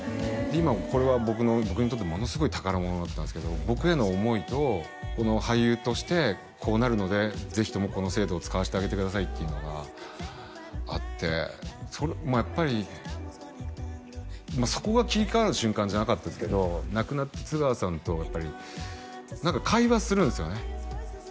今これは僕にとってものすごい宝物になったんですけど僕への思いと俳優としてこうなるのでぜひともこの制度を使わせてあげてくださいっていうのがあってまあやっぱりまあそこが切り替わる瞬間じゃなかったですけど亡くなった津川さんとやっぱり何か会話するんすよね